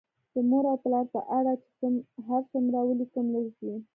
د مور او پلار په اړه چې هر څومره ولیکم لږ دي